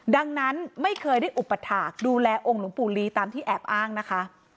ดังนั้นไม่เคยได้อุปถาคดูแลองค์หลวงปู่ลีตามที่แอบอ้างนะคะ